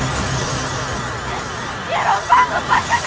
nyerompang lepaskan aku